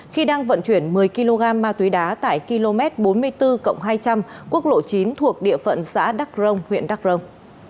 khi đang vận chuyển một mươi kg ma túy đá tại km bốn mươi bốn hai trăm linh quốc lộ chín thuộc địa phận xã đắc rông huyện đắc rông